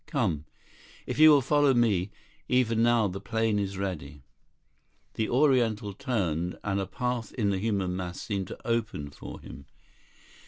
Come. If you will follow me, even now the plane is ready." The Oriental turned, and a path in the human mass seemed to open for him.